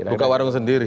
buka warung sendiri